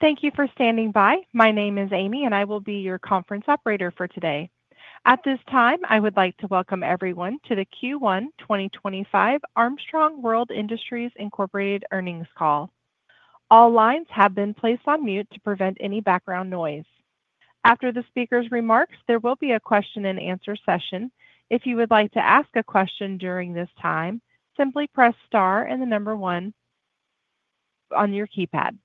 Thank you for standing by. My name is Amy, and I will be your conference operator for today. At this time, I would like to welcome everyone to the Q1 2025 Armstrong World Industries earnings call. All lines have been placed on mute to prevent any background noise. After the speaker's remarks, there will be a question-and-answer session. If you would like to ask a question during this time, simply press star and the number one on your keypad.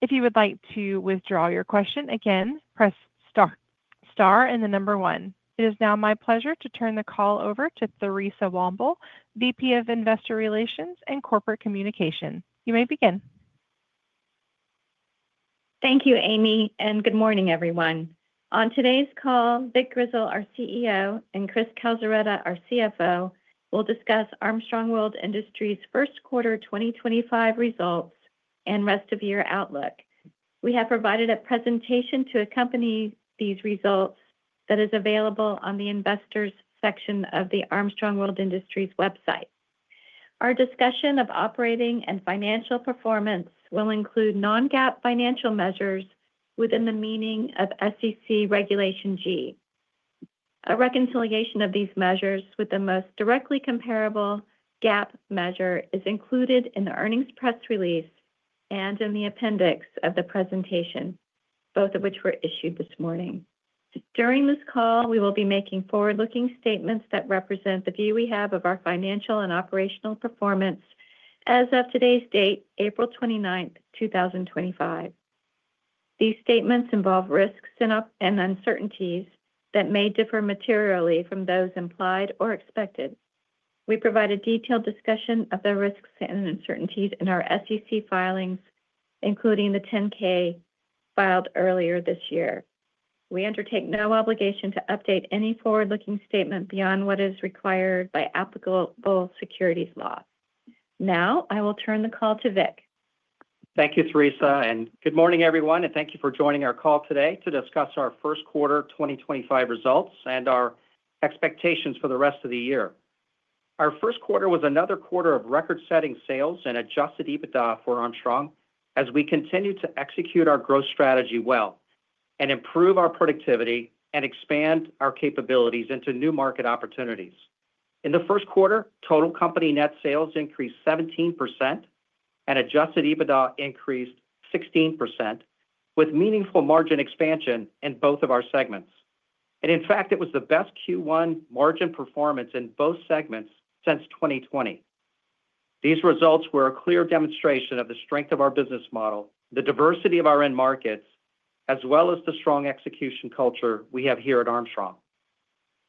If you would like to withdraw your question again, press star and the number one. It is now my pleasure to turn the call over to Theresa Womble, VP of Investor Relations and Corporate Communications. You may begin. Thank you, Amy, and good morning, everyone. On today's call, Vic Grizzle, our CEO, and Chris Calzaretta, our CFO, will discuss Armstrong World Industries' Q1 2025 results and rest-of-year outlook. We have provided a presentation to accompany these results that is available on the Investors section of the Armstrong World Industries website. Our discussion of operating and financial performance will include non-GAAP financial measures within the meaning of SEC Regulation G. A reconciliation of these measures with the most directly comparable GAAP measure is included in the earnings press release and in the appendix of the presentation, both of which were issued this morning. During this call, we will be making forward-looking statements that represent the view we have of our financial and operational performance as of today's date, April 29, 2025. These statements involve risks and uncertainties that may differ materially from those implied or expected. We provide a detailed discussion of the risks and uncertainties in our SEC filings, including the 10-K filed earlier this year. We undertake no obligation to update any forward-looking statement beyond what is required by applicable securities law. Now, I will turn the call to Vic. Thank you, Theresa, and good morning, everyone. Thank you for joining our call today to discuss our Q1 2025 results and our expectations for the rest of the year. Our Q1 was another quarter of record-setting sales and adjusted EBITDA for Armstrong as we continue to execute our growth strategy well and improve our productivity and expand our capabilities into new market opportunities. In the Q1, total company net sales increased 17%, and adjusted EBITDA increased 16%, with meaningful margin expansion in both of our segments. In fact, it was the best Q1 margin performance in both segments since 2020. These results were a clear demonstration of the strength of our business model, the diversity of our end markets, as well as the strong execution culture we have here at Armstrong.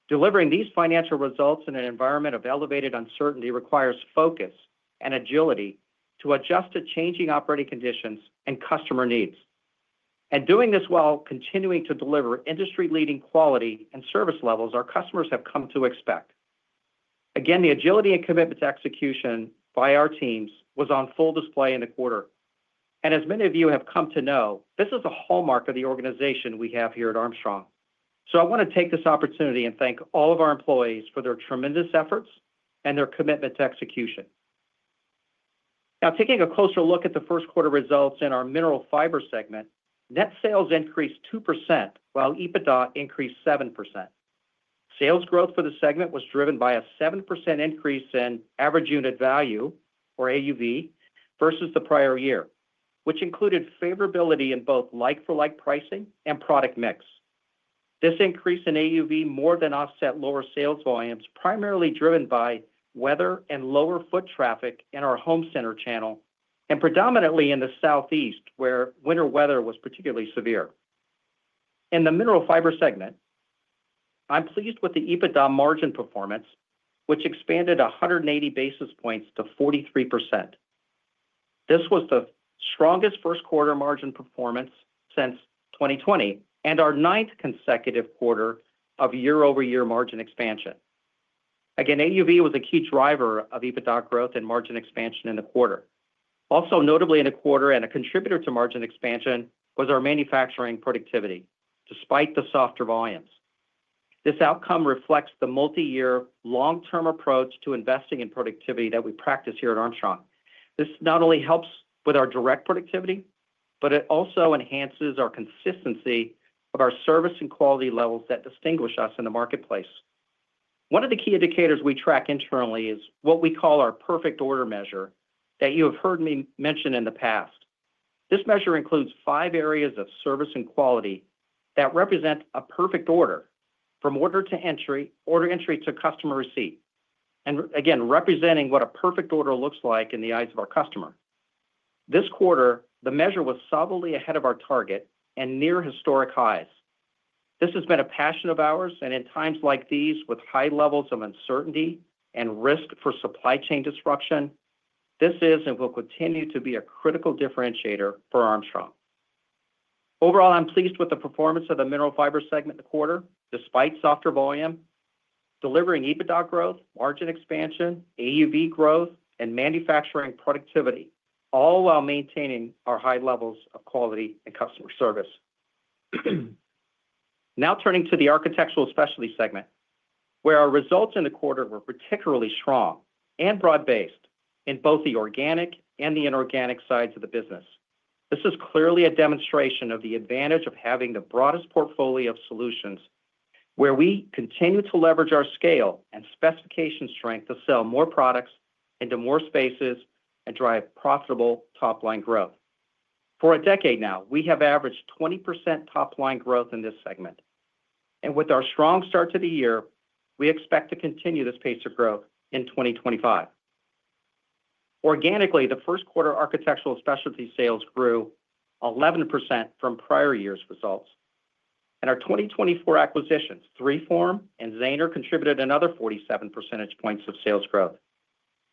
Delivering these financial results in an environment of elevated uncertainty requires focus and agility to adjust to changing operating conditions and customer needs. Doing this while continuing to deliver industry-leading quality and service levels our customers have come to expect. Again, the agility and commitment to execution by our teams was on full display in the quarter. As many of you have come to know, this is a hallmark of the organization we have here at Armstrong. I want to take this opportunity and thank all of our employees for their tremendous efforts and their commitment to execution. Now, taking a closer look at the Q1 results in our Mineral Fiber segment, net sales increased 2% while EBITDA increased 7%. Sales growth for the segment was driven by a 7% increase in average unit value, or AUV, versus the prior year, which included favorability in both like-for-like pricing and product mix. This increase in AUV more than offset lower sales volumes, primarily driven by weather and lower foot traffic in our home center channel, and predominantly in the Southeast, where winter weather was particularly severe. In the Mineral Fiber segment, I'm pleased with the EBITDA margin performance, which expanded 180 basis points to 43%. This was the strongest Q1 margin performance since 2020 and our ninth consecutive quarter of year-over-year margin expansion. Again, AUV was a key driver of EBITDA growth and margin expansion in the quarter. Also, notably in the quarter, and a contributor to margin expansion was our manufacturing productivity, despite the softer volumes. This outcome reflects the multi-year, long-term approach to investing in productivity that we practice here at Armstrong. This not only helps with our direct productivity, but it also enhances our consistency of our service and quality levels that distinguish us in the marketplace. One of the key indicators we track internally is what we call our perfect order measure that you have heard me mention in the past. This measure includes five areas of service and quality that represent a perfect order from order entry to customer receipt, and again, representing what a perfect order looks like in the eyes of our customer. This quarter, the measure was solidly ahead of our target and near historic highs. This has been a passion of ours, and in times like these with high levels of uncertainty and risk for supply chain disruption, this is and will continue to be a critical differentiator for Armstrong. Overall, I'm pleased with the performance of the Mineral Fiber segment in the quarter, despite softer volume, delivering EBITDA growth, margin expansion, AUV growth, and manufacturing productivity, all while maintaining our high levels of quality and customer service. Now turning to the Architectural Specialties segment, where our results in the quarter were particularly strong and broad-based in both the organic and the inorganic sides of the business. This is clearly a demonstration of the advantage of having the broadest portfolio of solutions, where we continue to leverage our scale and specification strength to sell more products into more spaces and drive profitable top-line growth. For a decade now, we have averaged 20% top-line growth in this segment. With our strong start to the year, we expect to continue this pace of growth in 2025. Organically, the Q1 Architectural Specialties sales grew 11% from prior year's results. Our 2024 acquisitions, 3form and Zahner, contributed another 47 percentage points of sales growth.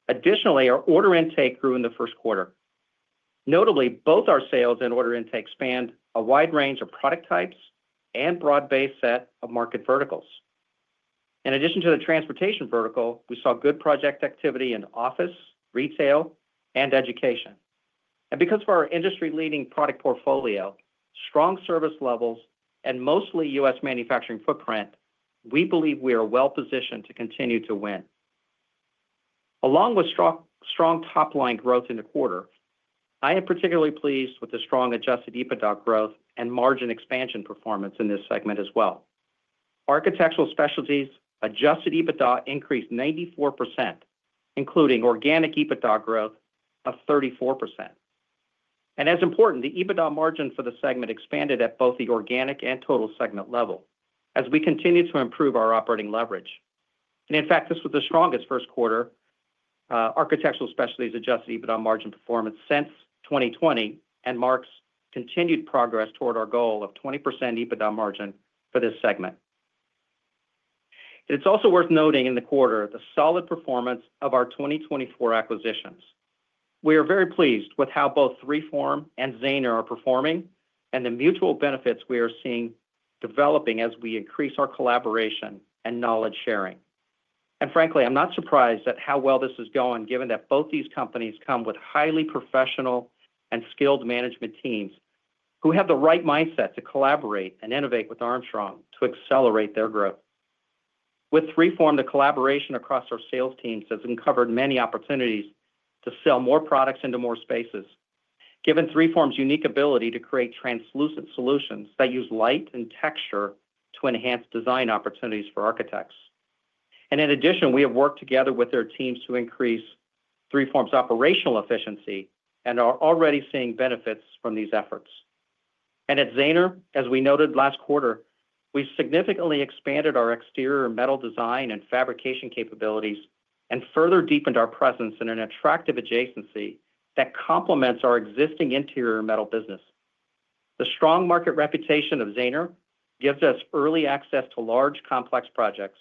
Additionally, our order intake grew in the Q1. Notably, both our sales and order intake spanned a wide range of product types and broad-based set of market verticals. In addition to the transportation vertical, we saw good project activity in office, retail, and education. Because of our industry-leading product portfolio, strong service levels, and mostly U.S. manufacturing footprint, we believe we are well-positioned to continue to win. Along with strong top-line growth in the quarter, I am particularly pleased with the strong adjusted EBITDA growth and margin expansion performance in this segment as well. Architectural Specialties adjusted EBITDA increased 94%, including organic EBITDA growth of 34%. As important, the EBITDA margin for the segment expanded at both the organic and total segment level as we continue to improve our operating leverage. In fact, this was the strongest Q1 Architectural Specialties adjusted EBITDA margin performance since 2020 and marks continued progress toward our goal of 20% EBITDA margin for this segment. It is also worth noting in the quarter the solid performance of our 2024 acquisitions. We are very pleased with how both 3form and Zahner are performing and the mutual benefits we are seeing developing as we increase our collaboration and knowledge sharing. Frankly, I'm not surprised at how well this is going, given that both these companies come with highly professional and skilled management teams who have the right mindset to collaborate and innovate with Armstrong to accelerate their growth. With 3form, the collaboration across our sales teams has uncovered many opportunities to sell more products into more spaces, given 3form's unique ability to create translucent solutions that use light and texture to enhance design opportunities for architects. In addition, we have worked together with their teams to increase 3form's operational efficiency and are already seeing benefits from these efforts. At Zahner, as we noted last quarter, we significantly expanded our exterior metal design and fabrication capabilities and further deepened our presence in an attractive adjacency that complements our existing interior metal business. The strong market reputation of Zahner gives us early access to large, complex projects,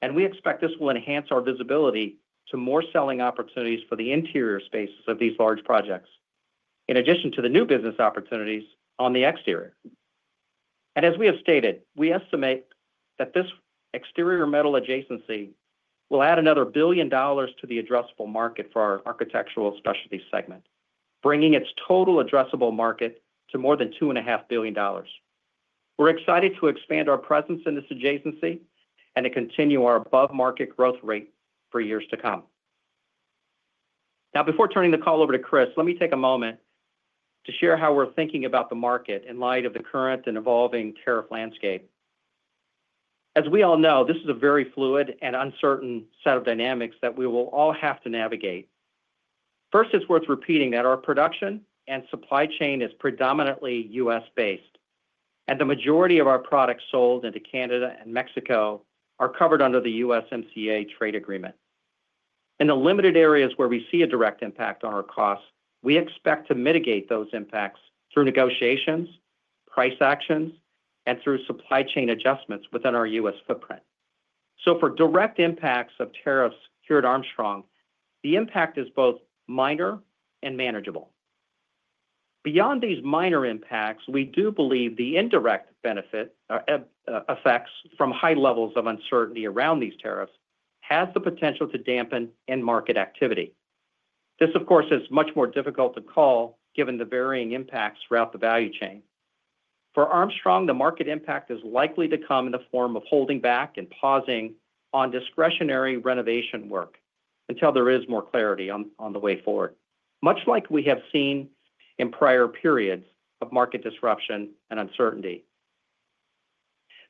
and we expect this will enhance our visibility to more selling opportunities for the interior spaces of these large projects, in addition to the new business opportunities on the exterior. As we have stated, we estimate that this exterior metal adjacency will add another $1 billion to the addressable market for our Architectural Specialties segment, bringing its total addressable market to more than $2.5 billion. We are excited to expand our presence in this adjacency and to continue our above-market growth rate for years to come. Now, before turning the call over to Chris, let me take a moment to share how we are thinking about the market in light of the current and evolving tariff landscape. As we all know, this is a very fluid and uncertain set of dynamics that we will all have to navigate. First, it's worth repeating that our production and supply chain is predominantly U.S.-based, and the majority of our products sold into Canada and Mexico are covered under the USMCA trade agreement. In the limited areas where we see a direct impact on our costs, we expect to mitigate those impacts through negotiations, price actions, and through supply chain adjustments within our U.S. footprint. For direct impacts of tariffs here at Armstrong, the impact is both minor and manageable. Beyond these minor impacts, we do believe the indirect benefit effects from high levels of uncertainty around these tariffs have the potential to dampen end market activity. This, of course, is much more difficult to call given the varying impacts throughout the value chain. For Armstrong, the market impact is likely to come in the form of holding back and pausing on discretionary renovation work until there is more clarity on the way forward, much like we have seen in prior periods of market disruption and uncertainty.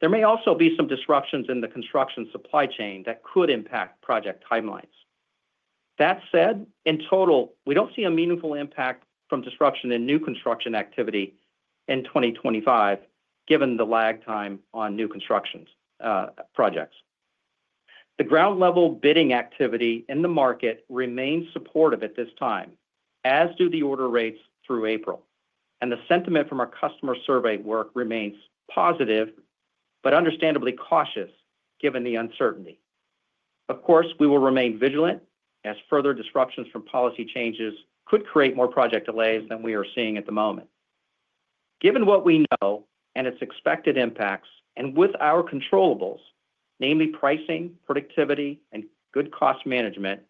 There may also be some disruptions in the construction supply chain that could impact project timelines. That said, in total, we do not see a meaningful impact from disruption in new construction activity in 2025, given the lag time on new construction projects. The ground-level bidding activity in the market remains supportive at this time, as do the order rates through April. The sentiment from our customer survey work remains positive, but understandably cautious given the uncertainty. Of course, we will remain vigilant as further disruptions from policy changes could create more project delays than we are seeing at the moment. Given what we know and its expected impacts, and with our controllables, namely pricing, productivity, and good cost management,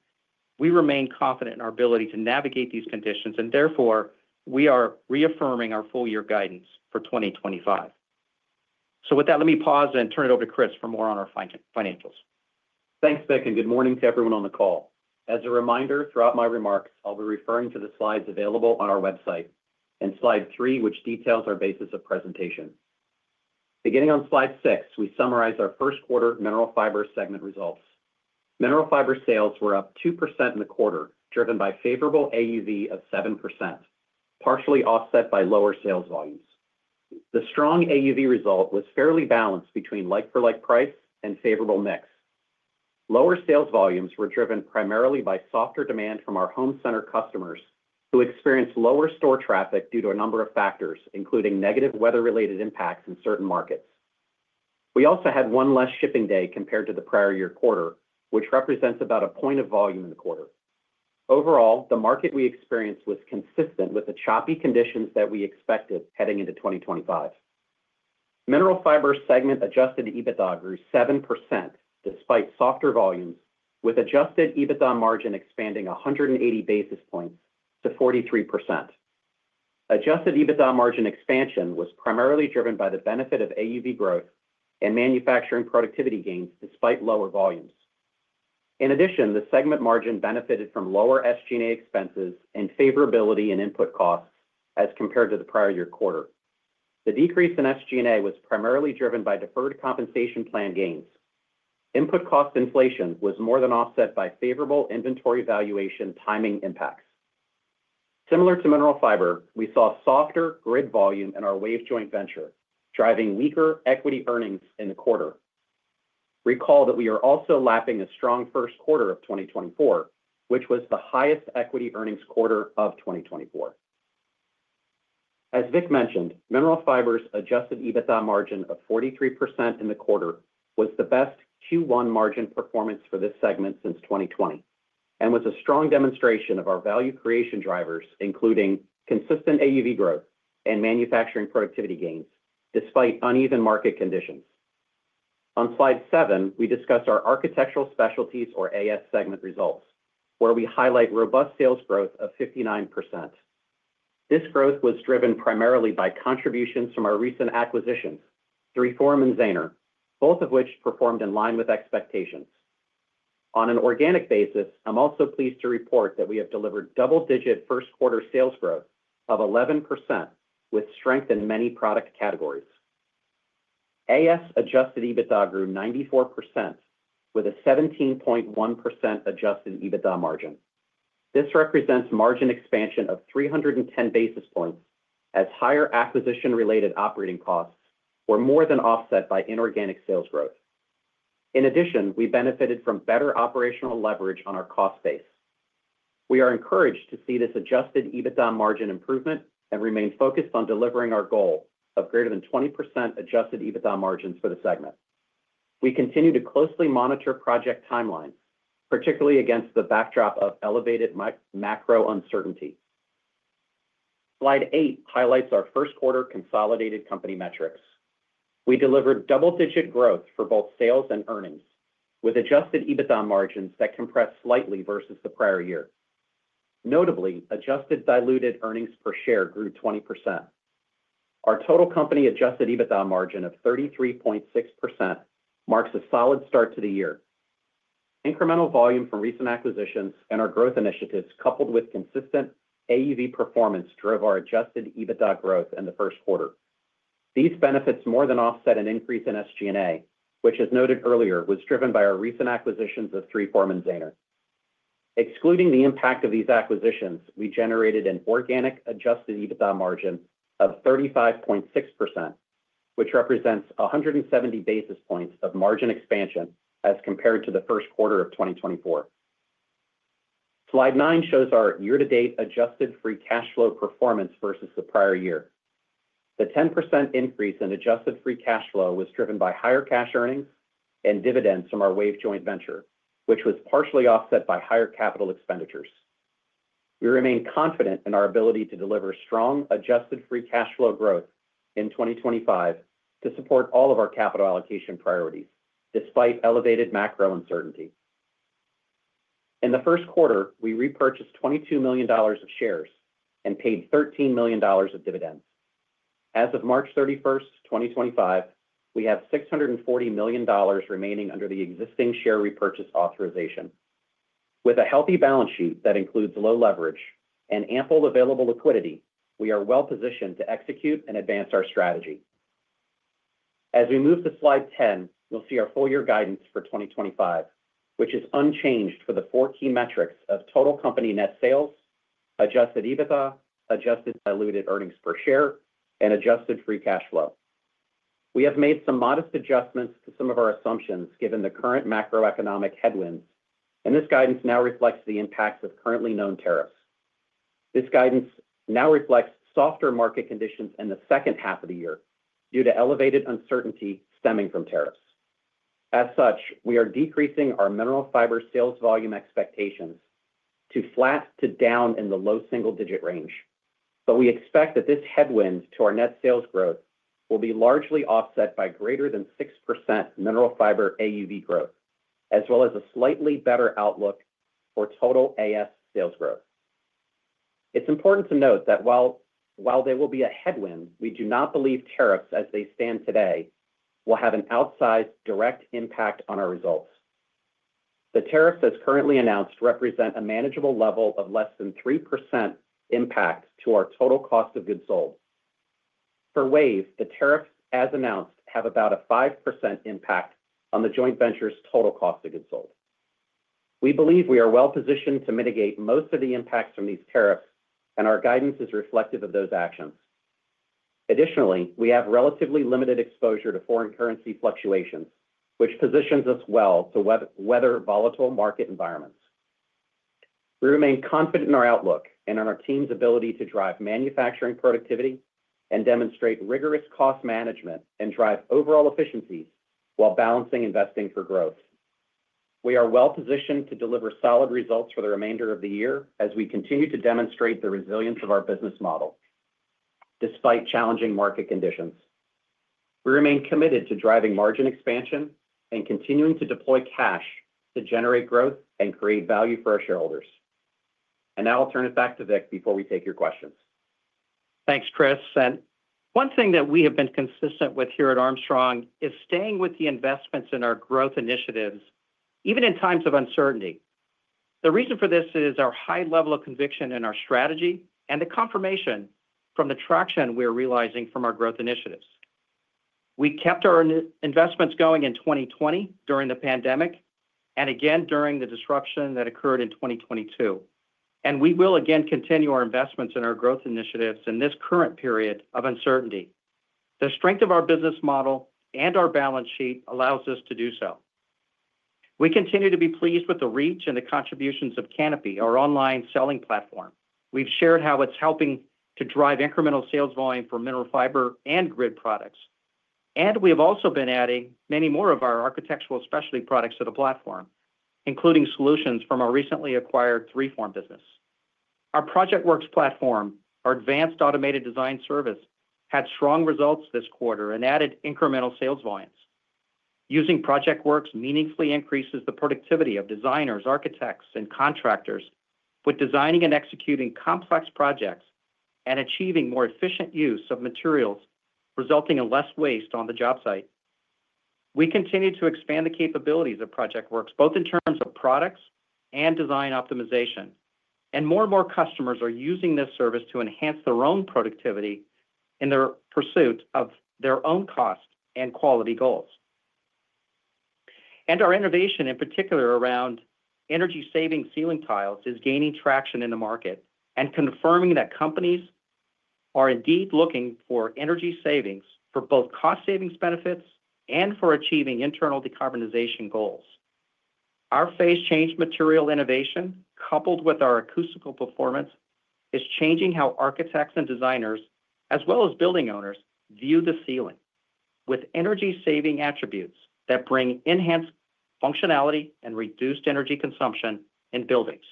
we remain confident in our ability to navigate these conditions, and therefore, we are reaffirming our full-year guidance for 2025. With that, let me pause and turn it over to Chris for more on our financials. Thanks, Vic, and good morning to everyone on the call. As a reminder, throughout my remarks, I'll be referring to the slides available on our website and slide three, which details our basis of presentation. Beginning on slide six, we summarize our Q1 Mineral Fiber segment results. Mineral Fiber sales were up 2% in the quarter, driven by favorable AUV of 7%, partially offset by lower sales volumes. The strong AUV result was fairly balanced between like-for-like price and favorable mix. Lower sales volumes were driven primarily by softer demand from our home center customers who experienced lower store traffic due to a number of factors, including negative weather-related impacts in certain markets. We also had one less shipping day compared to the prior year quarter, which represents about a point of volume in the quarter. Overall, the market we experienced was consistent with the choppy conditions that we expected heading into 2025. Mineral Fiber segment adjusted EBITDA grew 7% despite softer volumes, with adjusted EBITDA margin expanding 180 basis points to 43%. Adjusted EBITDA margin expansion was primarily driven by the benefit of AUV growth and manufacturing productivity gains despite lower volumes. In addition, the segment margin benefited from lower SG&A expenses and favorability in input costs as compared to the prior year quarter. The decrease in SG&A was primarily driven by deferred compensation plan gains. Input cost inflation was more than offset by favorable inventory valuation timing impacts. Similar to Mineral Fiber, we saw softer grid volume in our WAVE joint venture, driving weaker equity earnings in the quarter. Recall that we are also lapping a strong Q1 of 2024, which was the highest equity earnings quarter of 2024. As Vic mentioned, Mineral Fiber's adjusted EBITDA margin of 43% in the quarter was the best Q1 margin performance for this segment since 2020 and was a strong demonstration of our value creation drivers, including consistent AUV growth and manufacturing productivity gains despite uneven market conditions. On slide seven, we discuss our Architectural Specialties, or AS segment results, where we highlight robust sales growth of 59%. This growth was driven primarily by contributions from our recent acquisitions, 3form and Zahner, both of which performed in line with expectations. On an organic basis, I'm also pleased to report that we have delivered double-digit Q1 sales growth of 11% with strength in many product categories. AS adjusted EBITDA grew 94% with a 17.1% adjusted EBITDA margin. This represents margin expansion of 310 basis points as higher acquisition-related operating costs were more than offset by inorganic sales growth. In addition, we benefited from better operational leverage on our cost base. We are encouraged to see this adjusted EBITDA margin improvement and remain focused on delivering our goal of greater than 20% adjusted EBITDA margins for the segment. We continue to closely monitor project timelines, particularly against the backdrop of elevated macro uncertainty. Slide eight highlights our Q1 consolidated company metrics. We delivered double-digit growth for both sales and earnings with adjusted EBITDA margins that compressed slightly versus the prior year. Notably, adjusted diluted earnings per share grew 20%. Our total company adjusted EBITDA margin of 33.6% marks a solid start to the year. Incremental volume from recent acquisitions and our growth initiatives, coupled with consistent AUV performance, drove our adjusted EBITDA growth in the Q1. These benefits more than offset an increase in SG&A, which, as noted earlier, was driven by our recent acquisitions of 3form and Zahner. Excluding the impact of these acquisitions, we generated an organic adjusted EBITDA margin of 35.6%, which represents 170 basis points of margin expansion as compared to the Q1 of 2024. Slide nine shows our year-to-date adjusted free cash flow performance versus the prior year. The 10% increase in adjusted free cash flow was driven by higher cash earnings and dividends from our WAVE joint venture, which was partially offset by higher capital expenditures. We remain confident in our ability to deliver strong adjusted free cash flow growth in 2025 to support all of our capital allocation priorities, despite elevated macro uncertainty. In the Q1, we repurchased $22 million of shares and paid $13 million of dividends. As of March 31, 2025, we have $640 million remaining under the existing share repurchase authorization. With a healthy balance sheet that includes low leverage and ample available liquidity, we are well-positioned to execute and advance our strategy. As we move to slide 10, you'll see our full-year guidance for 2025, which is unchanged for the four key metrics of total company net sales, adjusted EBITDA, adjusted diluted earnings per share, and adjusted free cash flow. We have made some modest adjustments to some of our assumptions given the current macroeconomic headwinds, and this guidance now reflects the impacts of currently known tariffs. This guidance now reflects softer market conditions in the second half of the year due to elevated uncertainty stemming from tariffs. As such, we are decreasing our Mineral Fiber sales volume expectations to flat to down in the low single-digit range, but we expect that this headwind to our net sales growth will be largely offset by greater than 6% Mineral Fiber AUV growth, as well as a slightly better outlook for total AS sales growth. It's important to note that while there will be a headwind, we do not believe tariffs, as they stand today, will have an outsized direct impact on our results. The tariffs as currently announced represent a manageable level of less than 3% impact to our total cost of goods sold. For WAVE, the tariffs, as announced, have about a 5% impact on the joint venture's total cost of goods sold. We believe we are well-positioned to mitigate most of the impacts from these tariffs, and our guidance is reflective of those actions. Additionally, we have relatively limited exposure to foreign currency fluctuations, which positions us well to weather volatile market environments. We remain confident in our outlook and in our team's ability to drive manufacturing productivity and demonstrate rigorous cost management and drive overall efficiencies while balancing investing for growth. We are well-positioned to deliver solid results for the remainder of the year as we continue to demonstrate the resilience of our business model despite challenging market conditions. We remain committed to driving margin expansion and continuing to deploy cash to generate growth and create value for our shareholders. Now I'll turn it back to Vic before we take your questions. Thanks, Chris. One thing that we have been consistent with here at Armstrong is staying with the investments in our growth initiatives, even in times of uncertainty. The reason for this is our high level of conviction in our strategy and the confirmation from the traction we are realizing from our growth initiatives. We kept our investments going in 2020 during the pandemic and again during the disruption that occurred in 2022. We will again continue our investments in our growth initiatives in this current period of uncertainty. The strength of our business model and our balance sheet allows us to do so. We continue to be pleased with the reach and the contributions of Canopy, our online selling platform. We've shared how it's helping to drive incremental sales volume for Mineral Fiber and grid products. We have also been adding many more of our Architectural Specialties products to the platform, including solutions from our recently acquired 3form business. Our ProjectWorks platform, our advanced automated design service, had strong results this quarter and added incremental sales volumes. Using ProjectWorks meaningfully increases the productivity of designers, architects, and contractors with designing and executing complex projects and achieving more efficient use of materials, resulting in less waste on the job site. We continue to expand the capabilities of ProjectWorks, both in terms of products and design optimization. More and more customers are using this service to enhance their own productivity in the pursuit of their own cost and quality goals. Our innovation, in particular around energy-saving ceiling tiles, is gaining traction in the market and confirming that companies are indeed looking for energy savings for both cost savings benefits and for achieving internal decarbonization goals. Our phase change material innovation, coupled with our acoustical performance, is changing how architects and designers, as well as building owners, view the ceiling with energy-saving attributes that bring enhanced functionality and reduced energy consumption in buildings.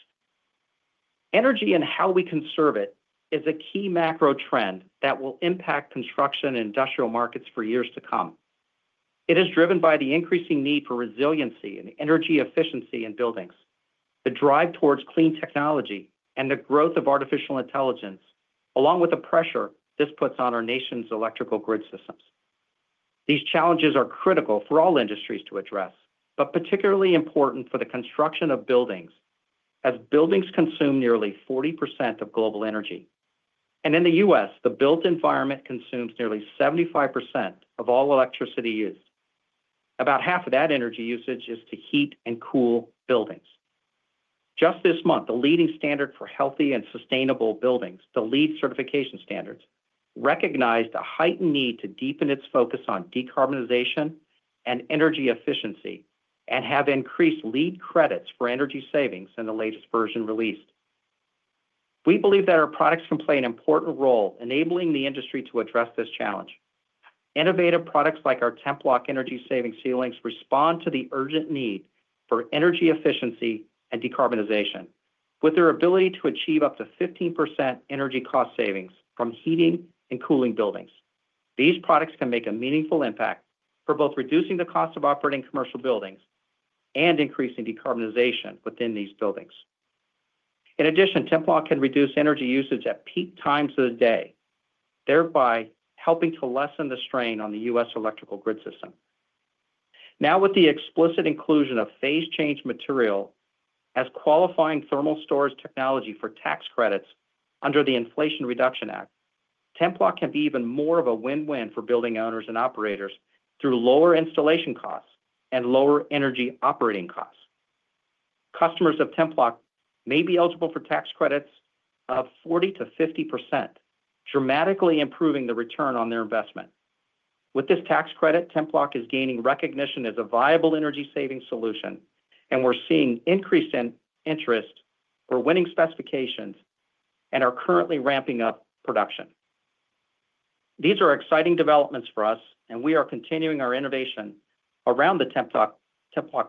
Energy and how we conserve it is a key macro trend that will impact construction and industrial markets for years to come. It is driven by the increasing need for resiliency and energy efficiency in buildings, the drive towards clean technology, and the growth of artificial intelligence, along with the pressure this puts on our nation's electrical grid systems. These challenges are critical for all industries to address, but particularly important for the construction of buildings, as buildings consume nearly 40% of global energy. In the U.S., the built environment consumes nearly 75% of all electricity used. About half of that energy usage is to heat and cool buildings. Just this month, the leading standard for healthy and sustainable buildings, the LEED certification standards, recognized a heightened need to deepen its focus on decarbonization and energy efficiency and have increased LEED credits for energy savings in the latest version released. We believe that our products can play an important role enabling the industry to address this challenge. Innovative products like our Templok energy-saving ceilings respond to the urgent need for energy efficiency and decarbonization with their ability to achieve up to 15% energy cost savings from heating and cooling buildings. These products can make a meaningful impact for both reducing the cost of operating commercial buildings and increasing decarbonization within these buildings. In addition, Templok can reduce energy usage at peak times of the day, thereby helping to lessen the strain on the U.S. electrical grid system. Now, with the explicit inclusion of phase change material as qualifying thermal storage technology for tax credits under the Inflation Reduction Act, Templok can be even more of a win-win for building owners and operators through lower installation costs and lower energy operating costs. Customers of Templok may be eligible for tax credits of 40%-50%, dramatically improving the return on their investment. With this tax credit, Templok is gaining recognition as a viable energy-saving solution, and we're seeing increased interest for winning specifications and are currently ramping up production. These are exciting developments for us, and we are continuing our innovation around the Templok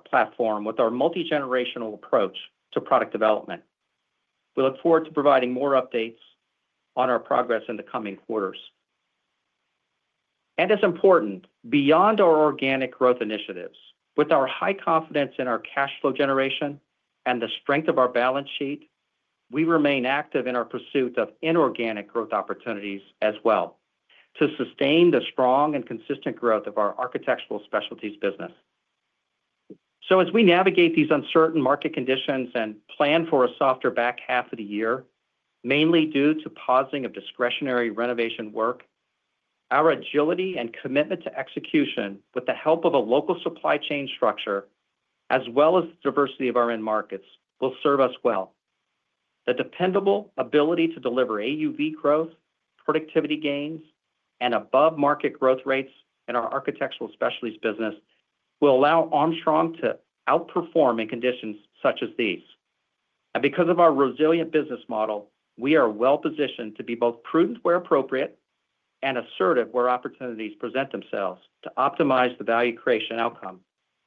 platform with our multi-generational approach to product development. We look forward to providing more updates on our progress in the coming quarters. As important, beyond our organic growth initiatives, with our high confidence in our cash flow generation and the strength of our balance sheet, we remain active in our pursuit of inorganic growth opportunities as well to sustain the strong and consistent growth of our Architectural Specialties business. As we navigate these uncertain market conditions and plan for a softer back half of the year, mainly due to pausing of discretionary renovation work, our agility and commitment to execution with the help of a local supply chain structure, as well as the diversity of our end markets, will serve us well. The dependable ability to deliver AUV growth, productivity gains, and above-market growth rates in our Architectural Specialties business will allow Armstrong to outperform in conditions such as these. Because of our resilient business model, we are well-positioned to be both prudent where appropriate and assertive where opportunities present themselves to optimize the value creation outcome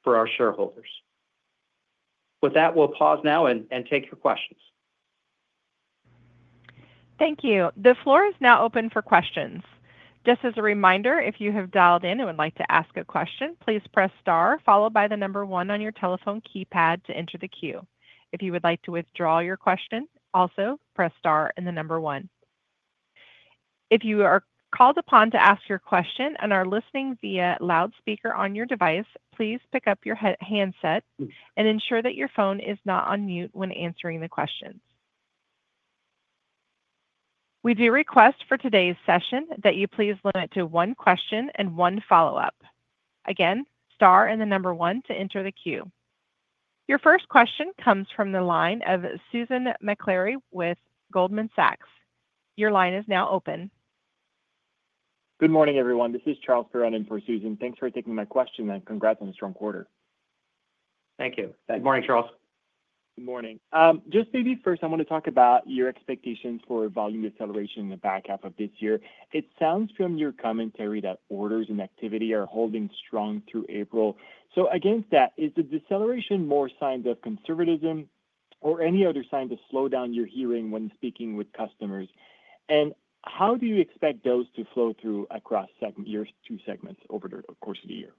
for our shareholders. With that, we'll pause now and take your questions. Thank you. The floor is now open for questions. Just as a reminder, if you have dialed in and would like to ask a question, please press star, followed by the number one on your telephone keypad to enter the queue. If you would like to withdraw your question, also press star and the number one. If you are called upon to ask your question and are listening via loudspeaker on your device, please pick up your handset and ensure that your phone is not on mute when answering the questions. We do request for today's session that you please limit to one question and one follow-up. Again, star and the number one to enter the queue. Your first question comes from the line of Susan Maklari with Goldman Sachs. Your line is now open. Good morning, everyone. This is Charles Perron in for Susan. Thanks for taking my question and congrats on a strong quarter. Thank you. Good morning, Charles. Good morning. Just maybe first, I want to talk about your expectations for volume deceleration in the back half of this year. It sounds from your commentary that orders and activity are holding strong through April. Against that, is the deceleration more signs of conservatism or any other sign to slow down you're hearing when speaking with customers? How do you expect those to flow through across your two segments over the course of the year?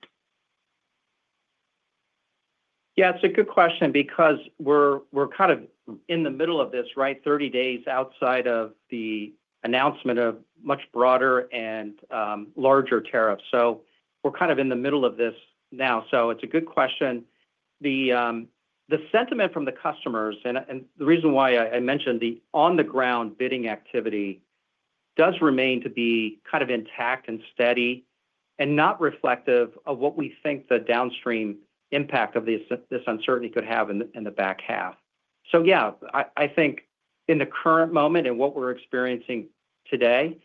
Yeah, it's a good question because we're kind of in the middle of this, right? Thirty days outside of the announcement of much broader and larger tariffs. We're kind of in the middle of this now. It's a good question. The sentiment from the customers and the reason why I mentioned the on-the-ground bidding activity does remain to be kind of intact and steady and not reflective of what we think the downstream impact of this uncertainty could have in the back half. I think in the current moment and what we're experiencing today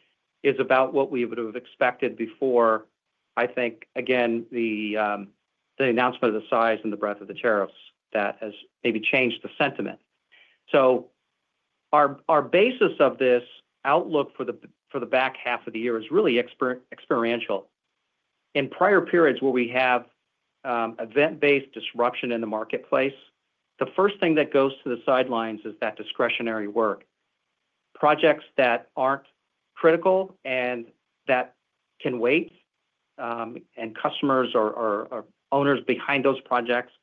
is about what we would have expected before, I think, again, the announcement of the size and the breadth of the tariffs that has maybe changed the sentiment. Our basis of this outlook for the back half of the year is really experiential. In prior periods where we have event-based disruption in the marketplace, the first thing that goes to the sidelines is that discretionary work. Projects that aren't critical and that can wait and customers or owners behind those projects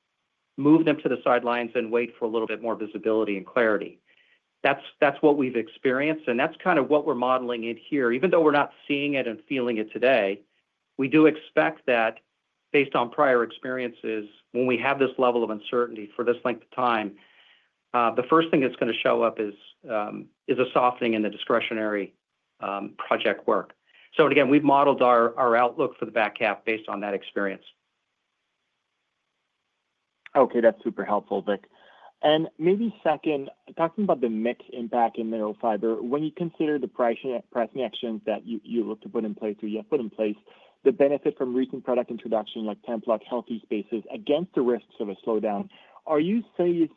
move them to the sidelines and wait for a little bit more visibility and clarity. That's what we've experienced, and that's kind of what we're modeling in here. Even though we're not seeing it and feeling it today, we do expect that based on prior experiences, when we have this level of uncertainty for this length of time, the first thing that's going to show up is a softening in the discretionary project work. Again, we've modeled our outlook for the back half based on that experience. Okay, that's super helpful, Vic. Maybe second, talking about the mix impact in Mineral Fiber, when you consider the price actions that you look to put in place or you have put in place, the benefit from recent product introduction like Templok, Healthy Spaces against the risks of a slowdown, are you seeing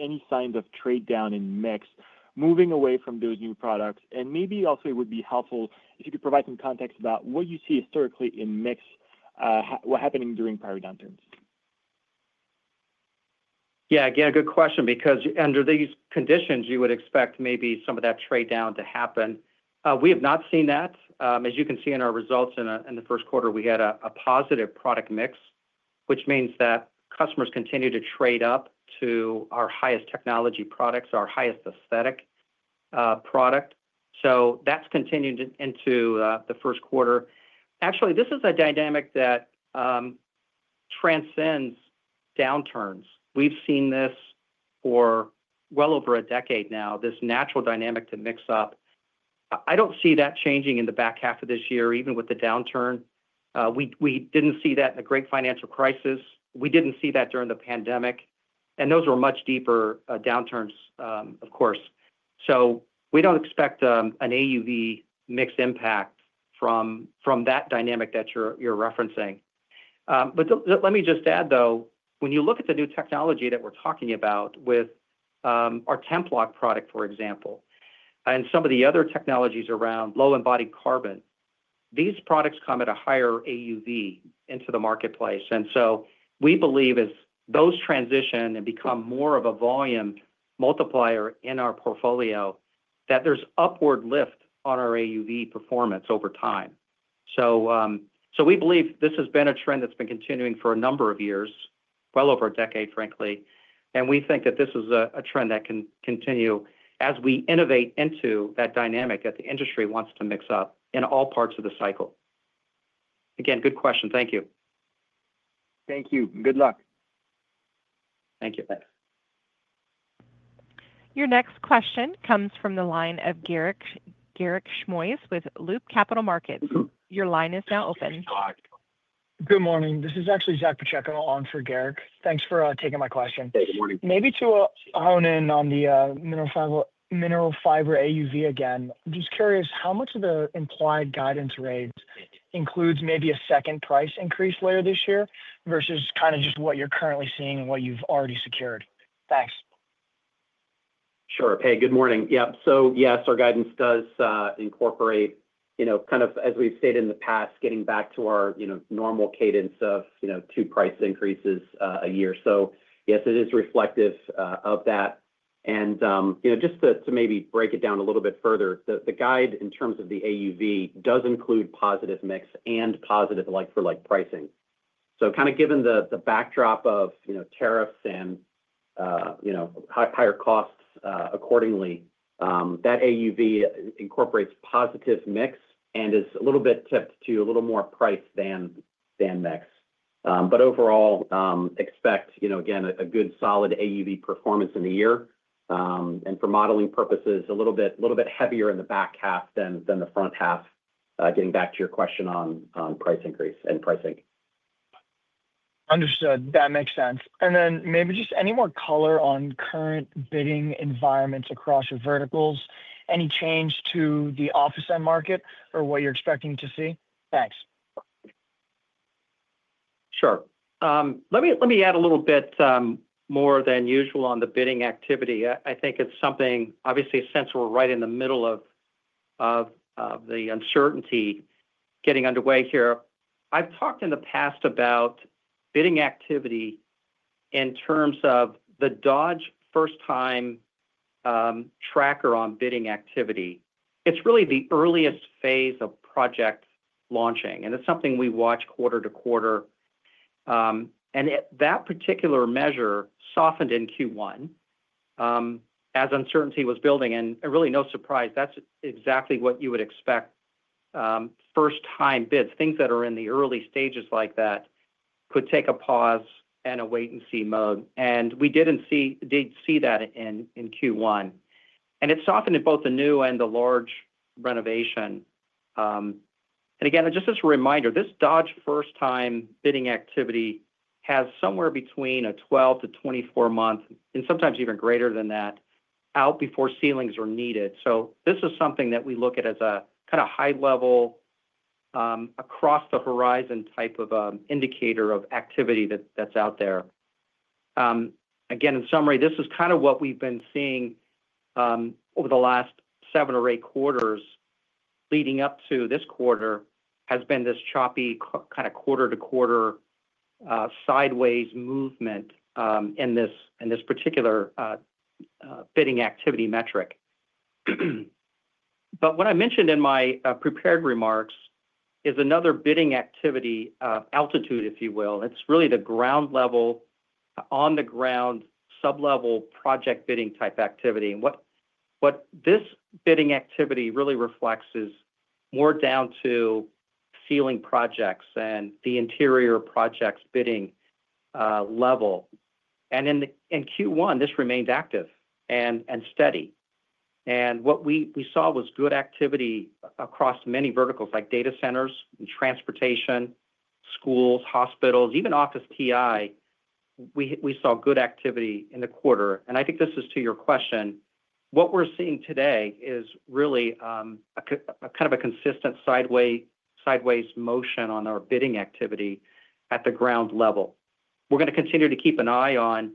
any signs of trade down in mix moving away from those new products? Maybe also it would be helpful if you could provide some context about what you see historically in mix, what happened during prior downturns. Yeah, again, a good question because under these conditions, you would expect maybe some of that trade down to happen. We have not seen that. As you can see in our results in the Q1, we had a positive product mix, which means that customers continue to trade up to our highest technology products, our highest aesthetic product. That has continued into the Q1. Actually, this is a dynamic that transcends downturns. We have seen this for well over a decade now, this natural dynamic to mix up. I do not see that changing in the back half of this year, even with the downturn. We did not see that in the great financial crisis. We did not see that during the pandemic. Those were much deeper downturns, of course. We do not expect an AUV mix impact from that dynamic that you are referencing. Let me just add, though, when you look at the new technology that we're talking about with our Templok product, for example, and some of the other technologies around low embodied carbon, these products come at a higher AUV into the marketplace. We believe as those transition and become more of a volume multiplier in our portfolio, that there's upward lift on our AUV performance over time. We believe this has been a trend that's been continuing for a number of years, well over a decade, frankly. We think that this is a trend that can continue as we innovate into that dynamic that the industry wants to mix up in all parts of the cycle. Again, good question. Thank you. Thank you. Good luck. Thank you. Your next question comes from the line of Garik Shmois with Loop Capital Markets. Your line is now open. Good morning. This is actually Zach Pacheco on for Garik. Thanks for taking my question. Hey, good morning. Maybe to hone in on the Mineral Fiber AUV again. I'm just curious how much of the implied guidance rate includes maybe a second price increase later this year versus kind of just what you're currently seeing and what you've already secured. Thanks. Sure. Hey, good morning. Yeah. Yes, our guidance does incorporate kind of, as we've stated in the past, getting back to our normal cadence of two price increases a year. Yes, it is reflective of that. Just to maybe break it down a little bit further, the guide in terms of the AUV does include positive mix and positive like-for-like pricing. Kind of given the backdrop of tariffs and higher costs accordingly, that AUV incorporates positive mix and is a little bit tipped to a little more price than mix. Overall, expect, again, a good solid AUV performance in the year. For modeling purposes, a little bit heavier in the back half than the front half, getting back to your question on price increase and pricing. Understood. That makes sense. Maybe just any more color on current bidding environments across your verticals, any change to the office end market or what you're expecting to see? Thanks. Sure. Let me add a little bit more than usual on the bidding activity. I think it's something, obviously, since we're right in the middle of the uncertainty getting underway here, I've talked in the past about bidding activity in terms of the Dodge first-time tracker on bidding activity. It's really the earliest phase of project launching. It's something we watch quarter to quarter. That particular measure softened in Q1 as uncertainty was building. Really no surprise, that's exactly what you would expect. First-time bids, things that are in the early stages like that could take a pause and a wait-and-see mode. We did see that in Q1. It softened in both the new and the large renovation. Again, just as a reminder, this Dodge first-time bidding activity has somewhere between a 12-24 month, and sometimes even greater than that, out before ceilings are needed. This is something that we look at as a kind of high-level, across-the-horizon type of indicator of activity that's out there. In summary, this is kind of what we've been seeing over the last seven or eight quarters leading up to this quarter: this choppy kind of quarter-to-quarter sideways movement in this particular bidding activity metric. What I mentioned in my prepared remarks is another bidding activity altitude, if you will. It's really the ground-level, on-the-ground, sub-level project bidding type activity. What this bidding activity really reflects is more down to ceiling projects and the interior projects bidding level. In Q1, this remained active and steady. What we saw was good activity across many verticals like data centers, transportation, schools, hospitals, even office TI. We saw good activity in the quarter. I think this is to your question. What we're seeing today is really kind of a consistent sideways motion on our bidding activity at the ground level. We're going to continue to keep an eye on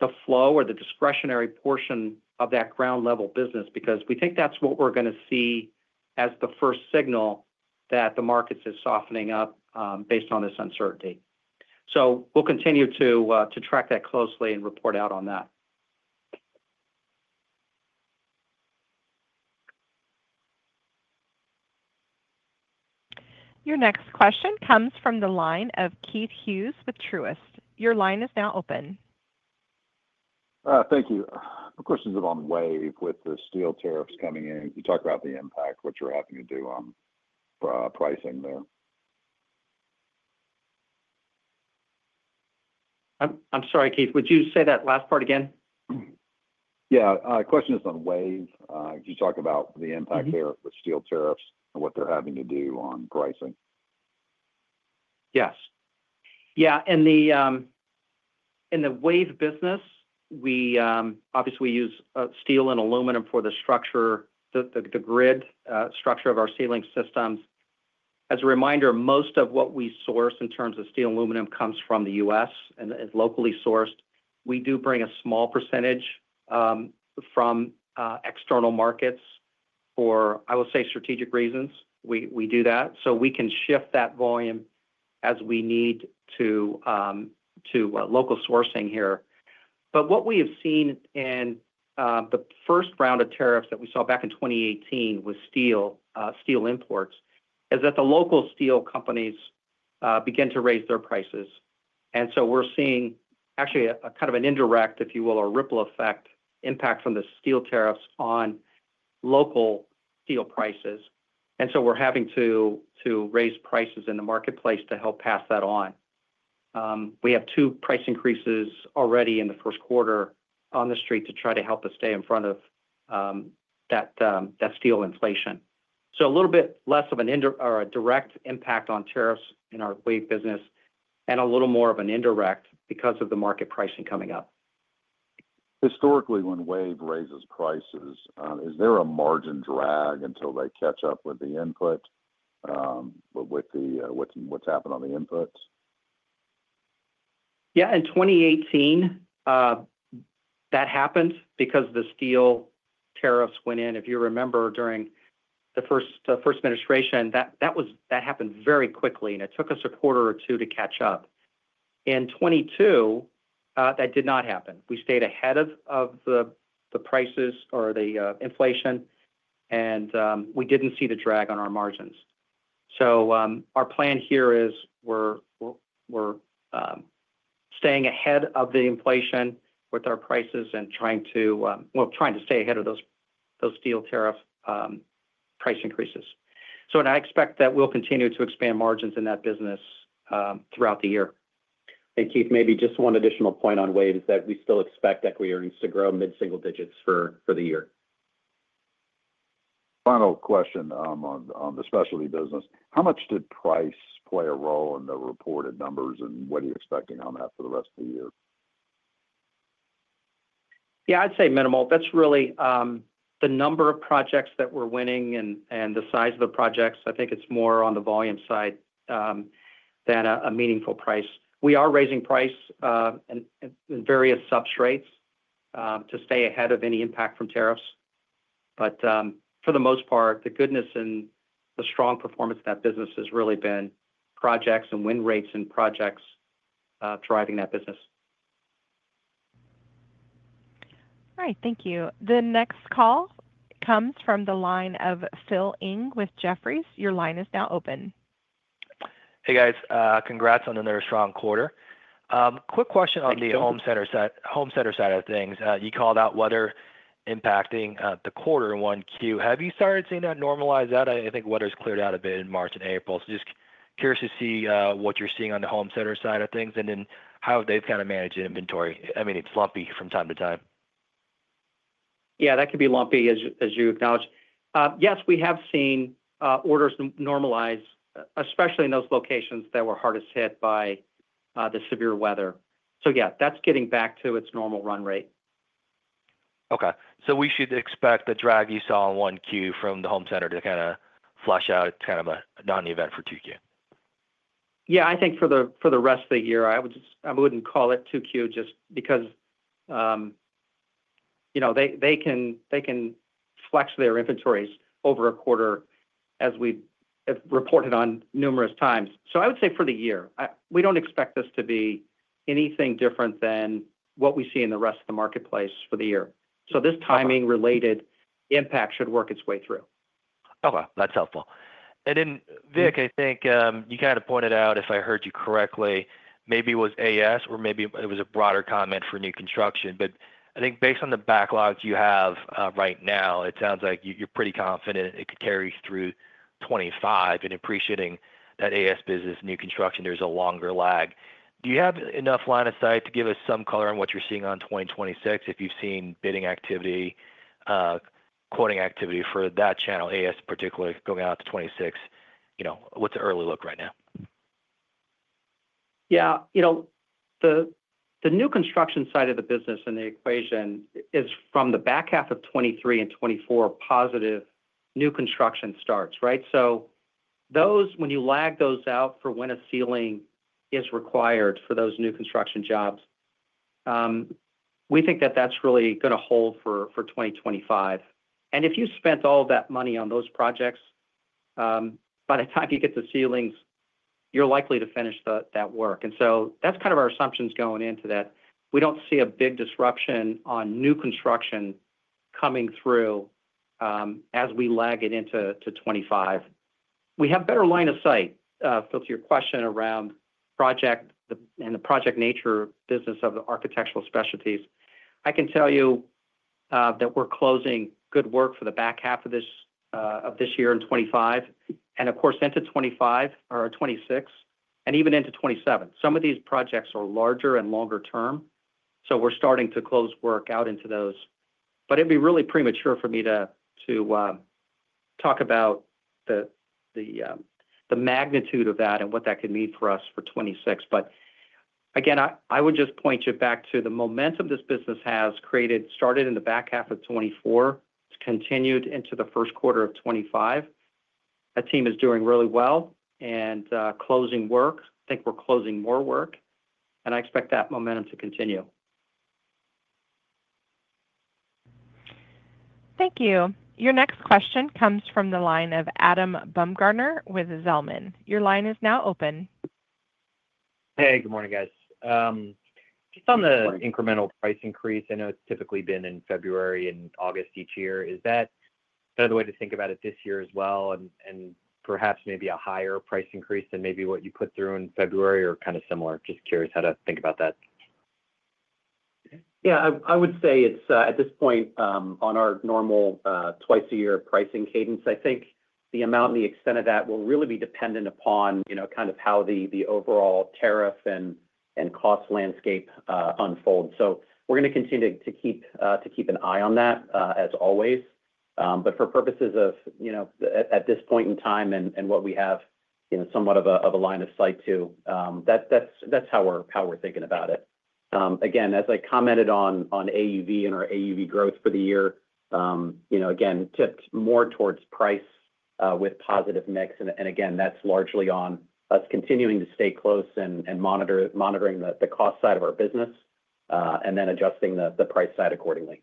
the flow or the discretionary portion of that ground-level business because we think that's what we're going to see as the first signal that the markets are softening up based on this uncertainty. We'll continue to track that closely and report out on that. Your next question comes from the line of Keith Hughes with Truist. Your line is now open. Thank you. The questions have gone WAVE with the steel tariffs coming in. You talked about the impact, what you're having to do on pricing there. I'm sorry, Keith, would you say that last part again? Yeah. The question is on WAVE. Could you talk about the impact there with steel tariffs and what they're having to do on pricing? Yes. Yeah. In the WAVE business, we obviously use steel and aluminum for the structure, the grid structure of our ceiling systems. As a reminder, most of what we source in terms of steel and aluminum comes from the U.S. and is locally sourced. We do bring a small percentage from external markets for, I will say, strategic reasons. We do that. We can shift that volume as we need to local sourcing here. What we have seen in the first round of tariffs that we saw back in 2018 with steel imports is that the local steel companies began to raise their prices. We are seeing actually kind of an indirect, if you will, or ripple effect impact from the steel tariffs on local steel prices. We are having to raise prices in the marketplace to help pass that on. We have two price increases already in the Q1 on the street to try to help us stay in front of that steel inflation. A little bit less of a direct impact on tariffs in our WAVE business and a little more of an indirect because of the market pricing coming up. Historically, when WAVE raises prices, is there a margin drag until they catch up with the input with what's happened on the inputs? Yeah. In 2018, that happened because the steel tariffs went in. If you remember during the first administration, that happened very quickly, and it took us a quarter or two to catch up. In 2022, that did not happen. We stayed ahead of the prices or the inflation, and we did not see the drag on our margins. Our plan here is we are staying ahead of the inflation with our prices and trying to stay ahead of those steel tariff price increases. I expect that we will continue to expand margins in that business throughout the year. Keith, maybe just one additional point on WAVE is that we still expect equity earnings to grow mid-single digits for the year. Final question on the specialty business. How much did price play a role in the reported numbers, and what are you expecting on that for the rest of the year? Yeah, I'd say minimal. That's really the number of projects that we're winning and the size of the projects. I think it's more on the volume side than a meaningful price. We are raising price in various substrates to stay ahead of any impact from tariffs. For the most part, the goodness and the strong performance of that business has really been projects and win rates and projects driving that business. All right. Thank you. The next call comes from the line of Phil Ng with Jefferies. Your line is now open. Hey, guys. Congrats on another strong quarter. Quick question on the home center side of things. You called out weather impacting the Q1. Have you started seeing that normalize out? I think weather's cleared out a bit in March and April. Just curious to see what you're seeing on the home center side of things and then how they've kind of managed inventory. I mean, it's lumpy from time to time. Yeah, that could be lumpy, as you acknowledged. Yes, we have seen orders normalize, especially in those locations that were hardest hit by the severe weather. Yeah, that's getting back to its normal run rate. Okay. So we should expect the drag you saw in Q1 from the home center to kind of flush out, kind of a non-event for Q2. Yeah. I think for the rest of the year, I would not call it 2Q just because they can flex their inventories over a quarter, as we reported on numerous times. I would say for the year, we do not expect this to be anything different than what we see in the rest of the marketplace for the year. This timing-related impact should work its way through. Okay. That's helpful. Vic, I think you kind of pointed out, if I heard you correctly, maybe it was AS or maybe it was a broader comment for new construction. I think based on the backlog you have right now, it sounds like you're pretty confident it could carry through 2025. Appreciating that AS business, new construction, there's a longer lag. Do you have enough line of sight to give us some color on what you're seeing on 2026, if you've seen bidding activity, quoting activity for that channel, AS particularly going out to 2026? What's the early look right now? Yeah. The new construction side of the business and the equation is from the back half of 2023 and 2024, positive new construction starts, right? When you lag those out for when a ceiling is required for those new construction jobs, we think that that is really going to hold for 2025. If you spent all of that money on those projects, by the time you get the ceilings, you are likely to finish that work. That is kind of our assumptions going into that. We do not see a big disruption on new construction coming through as we lag it into 2025. We have better line of sight. To your question around project and the project nature business of the Architectural Specialties, I can tell you that we're closing good work for the back half of this year in 2025 and, of course, into 2025 or 2026 and even into 2027. Some of these projects are larger and longer term. We're starting to close work out into those. It'd be really premature for me to talk about the magnitude of that and what that could mean for us for 2026. Again, I would just point you back to the momentum this business has created, started in the back half of 2024, continued into the Q1 of 2025. That team is doing really well and closing work. I think we're closing more work. I expect that momentum to continue. Thank you. Your next question comes from the line of Adam Baumgarten with Zelman. Your line is now open. Hey, good morning, guys. Just on the incremental price increase, I know it's typically been in February and August each year. Is that kind of the way to think about it this year as well? Perhaps maybe a higher price increase than maybe what you put through in February or kind of similar? Just curious how to think about that. Yeah. I would say at this point, on our normal twice-a-year pricing cadence, I think the amount and the extent of that will really be dependent upon kind of how the overall tariff and cost landscape unfolds. We are going to continue to keep an eye on that as always. For purposes of at this point in time and what we have somewhat of a line of sight to, that is how we are thinking about it. Again, as I commented on AUV and our AUV growth for the year, again, tipped more towards price with positive mix. That is largely on us continuing to stay close and monitoring the cost side of our business and then adjusting the price side accordingly.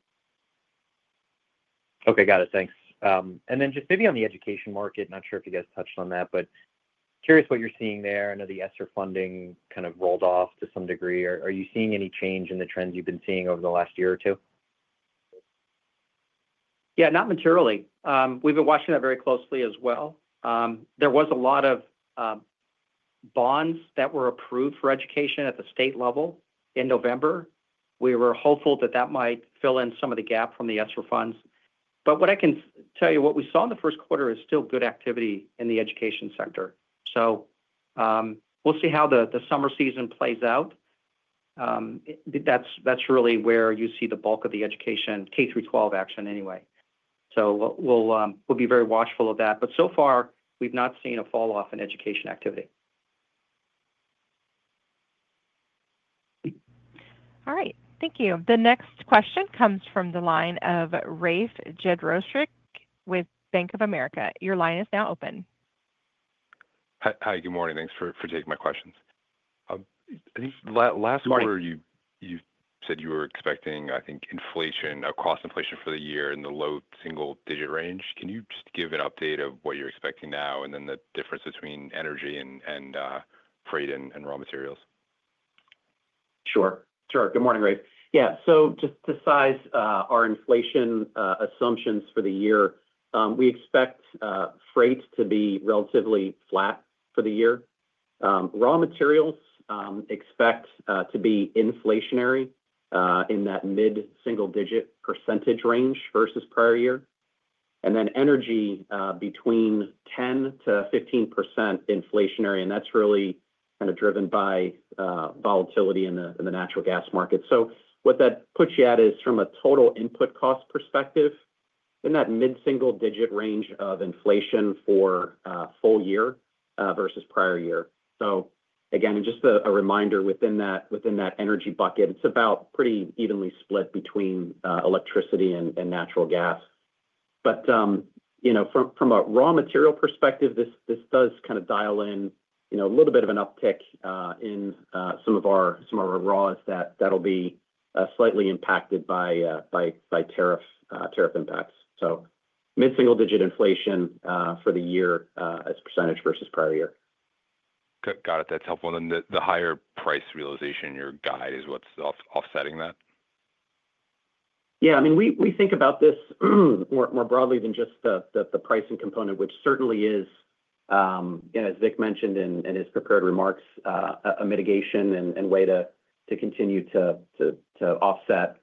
Okay. Got it. Thanks. Maybe on the education market, not sure if you guys touched on that, but curious what you're seeing there. I know the ESSER funding kind of rolled off to some degree. Are you seeing any change in the trends you've been seeing over the last year or two? Yeah, not materially. We've been watching that very closely as well. There was a lot of bonds that were approved for education at the state level in November. We were hopeful that that might fill in some of the gap from the ESSER funds. What I can tell you, what we saw in the Q1 is still good activity in the education sector. We will see how the summer season plays out. That's really where you see the bulk of the education K-12 action anyway. We will be very watchful of that. So far, we've not seen a falloff in education activity. All right. Thank you. The next question comes from the line of Rafe Jadrosich with Bank of America. Your line is now open. Hi, good morning. Thanks for taking my questions. I think last quarter, you said you were expecting, I think, inflation, a cost inflation for the year in the low single-digit range. Can you just give an update of what you're expecting now and then the difference between energy and freight and raw materials? Sure. Sure. Good morning, Rafe. Yeah. Just to size our inflation assumptions for the year, we expect freight to be relatively flat for the year. Raw materials expect to be inflationary in that mid-single-digit percentage range versus prior year. Energy between 10%-15% inflationary. That is really kind of driven by volatility in the natural gas market. What that puts you at is, from a total input cost perspective, in that mid-single-digit range of inflation for full year versus prior year. Again, just a reminder within that energy bucket, it is about pretty evenly split between electricity and natural gas. From a raw material perspective, this does kind of dial in a little bit of an uptick in some of our raws that will be slightly impacted by tariff impacts. Mid-single-digit inflation for the year as percentage versus prior year. Got it. That's helpful. The higher price realization, your guide is what's offsetting that? Yeah. I mean, we think about this more broadly than just the pricing component, which certainly is, as Vic mentioned in his prepared remarks, a mitigation and way to continue to offset.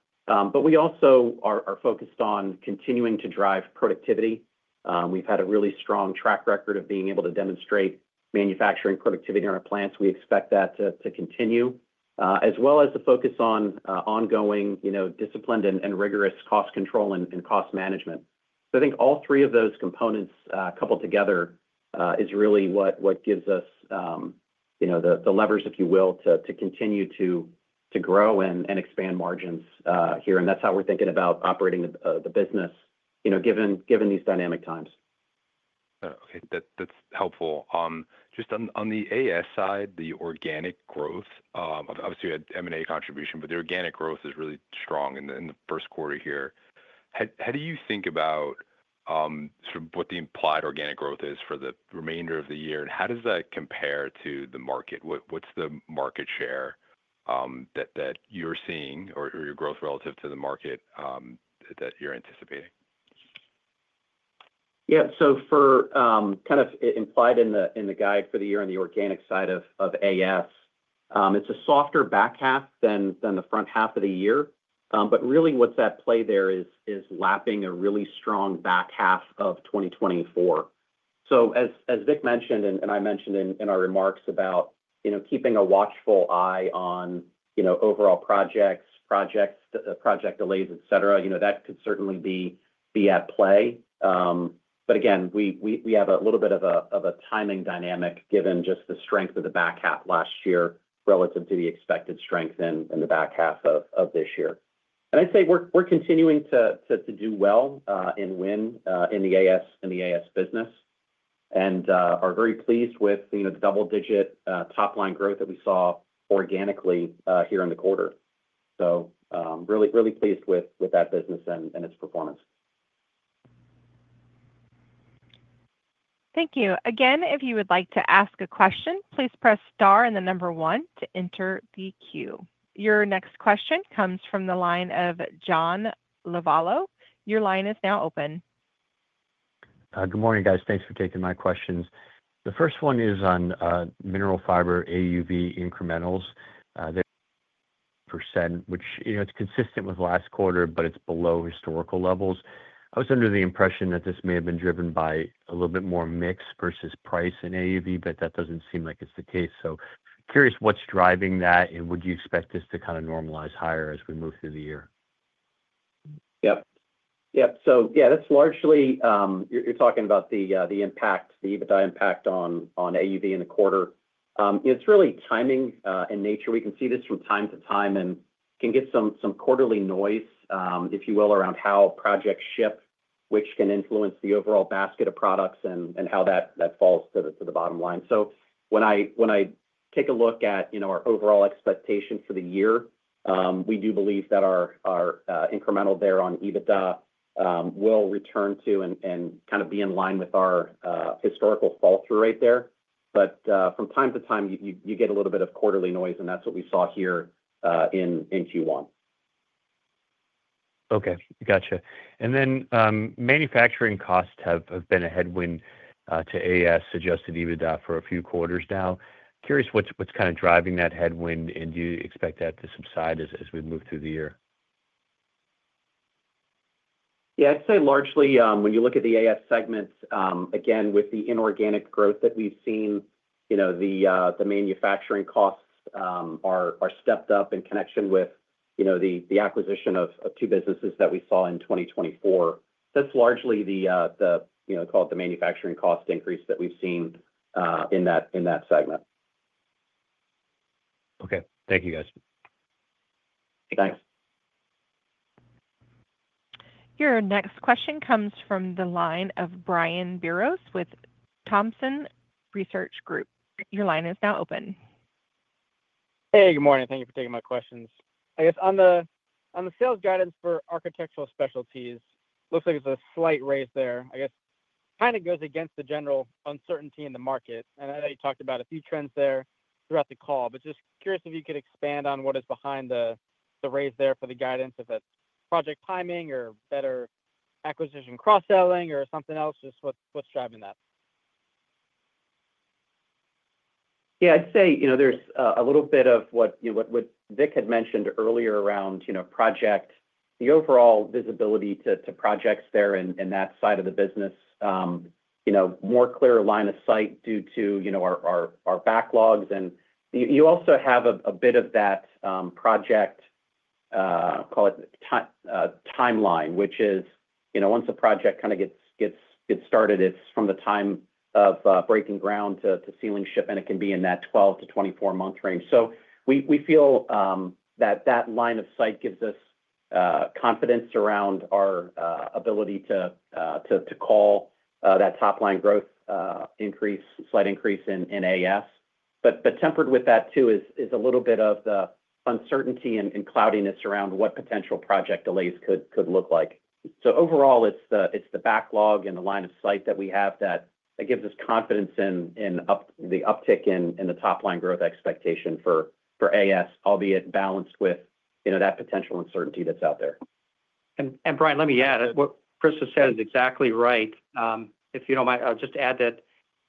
We also are focused on continuing to drive productivity. We've had a really strong track record of being able to demonstrate manufacturing productivity on our plants. We expect that to continue, as well as the focus on ongoing disciplined and rigorous cost control and cost management. I think all three of those components coupled together is really what gives us the levers, if you will, to continue to grow and expand margins here. That is how we're thinking about operating the business given these dynamic times. Okay. That's helpful. Just on the AS side, the organic growth, obviously, we had M&A contribution, but the organic growth is really strong in the Q1 here. How do you think about sort of what the implied organic growth is for the remainder of the year? How does that compare to the market? What's the market share that you're seeing or your growth relative to the market that you're anticipating? Yeah. So for kind of implied in the guide for the year on the organic side of AS, it's a softer back half than the front half of the year. Really, what's at play there is lapping a really strong back half of 2024. As Vic mentioned and I mentioned in our remarks about keeping a watchful eye on overall projects, project delays, etc., that could certainly be at play. Again, we have a little bit of a timing dynamic given just the strength of the back half last year relative to the expected strength in the back half of this year. I'd say we're continuing to do well and win in the AS business and are very pleased with the double-digit top-line growth that we saw organically here in the quarter. Really pleased with that business and its performance. Thank you. Again, if you would like to ask a question, please press star and the number one to enter the queue. Your next question comes from the line of John Lovallo. Your line is now open. Good morning, guys. Thanks for taking my questions. The first one is on Mineral Fiber AUV incrementals. Percent, which it's consistent with last quarter, but it's below historical levels. I was under the impression that this may have been driven by a little bit more mix versus price in AUV, but that doesn't seem like it's the case. Curious what's driving that, and would you expect this to kind of normalize higher as we move through the year? Yep. Yep. So yeah, that's largely you're talking about the impact, the EBITDA impact on AUV in the quarter. It's really timing and nature. You can see this from time to time and can get some quarterly noise, if you will, around how projects ship, which can influence the overall basket of products and how that falls to the bottom line. When I take a look at our overall expectation for the year, we do believe that our incremental there on EBITDA will return to and kind of be in line with our historical fall-through rate there. From time to time, you get a little bit of quarterly noise, and that's what we saw here in Q1. Okay. Gotcha. Then manufacturing costs have been a headwind to AS adjusted EBITDA for a few quarters now. Curious what's kind of driving that headwind, and do you expect that to subside as we move through the year? Yeah. I'd say largely when you look at the AS segment, again, with the inorganic growth that we've seen, the manufacturing costs are stepped up in connection with the acquisition of two businesses that we saw in 2024. That's largely the, call it the manufacturing cost increase that we've seen in that segment. Okay. Thank you, guys. Thanks. Your next question comes from the line of Brian Biros with Thompson Research Group. Your line is now open. Hey, good morning. Thank you for taking my questions. I guess on the sales guidance for Architectural Specialties, looks like it's a slight raise there. I guess kind of goes against the general uncertainty in the market. I know you talked about a few trends there throughout the call, but just curious if you could expand on what is behind the raise there for the guidance, if it's project timing or better acquisition cross-selling or something else, just what's driving that? Yeah. I'd say there's a little bit of what Vic had mentioned earlier around project, the overall visibility to projects there in that side of the business, more clear line of sight due to our backlogs. You also have a bit of that project, call it timeline, which is once a project kind of gets started, it's from the time of breaking ground to ceiling ship, and it can be in that 12-24 month range. We feel that that line of sight gives us confidence around our ability to call that top-line growth increase, slight increase in AS. Tempered with that too is a little bit of the uncertainty and cloudiness around what potential project delays could look like. Overall, it's the backlog and the line of sight that we have that gives us confidence in the uptick in the top-line growth expectation for AS, albeit balanced with that potential uncertainty that's out there. Brian, let me add, what Chris has said is exactly right. If you do not mind, I will just add that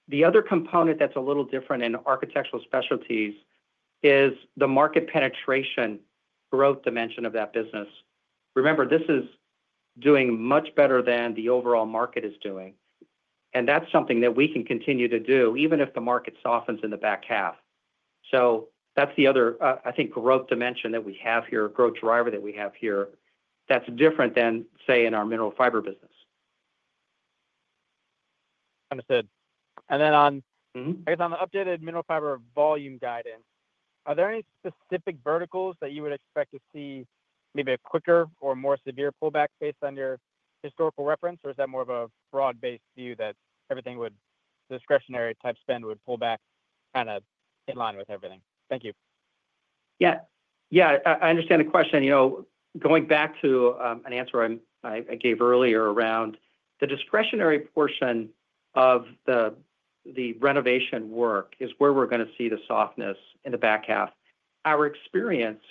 the other component that is a little different in Architectural Specialties is the market penetration growth dimension of that business. Remember, this is doing much better than the overall market is doing. That is something that we can continue to do even if the market softens in the back half. That is the other, I think, growth dimension that we have here, growth driver that we have here that is different than, say, in our Mineral Fiber business. Understood. I guess on the updated Mineral Fiber volume guidance, are there any specific verticals that you would expect to see maybe a quicker or more severe pullback based on your historical reference, or is that more of a broad-based view that everything would discretionary-type spend would pull back kind of in line with everything? Thank you. Yeah. Yeah. I understand the question. Going back to an answer I gave earlier around the discretionary portion of the renovation work is where we're going to see the softness in the back half. Our experience